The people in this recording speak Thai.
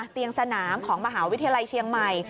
เตียงสนามของมหาวิทยาลัยเชียงใหม่